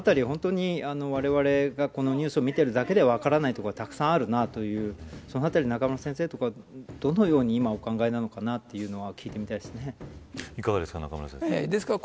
本当に、われわれがニュースを見ているだけでは分からないところがたくさんあるなというそのあたり中村先生はどのように今お考えなのかなというのを聞いてみたいです。